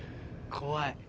怖い。